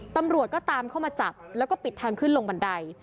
ตำรวจก็ตามเข้ามาจับแล้วก็ปิดทางขึ้นลงบันได